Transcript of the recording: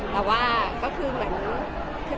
แต่ว่าก็คือเหมือน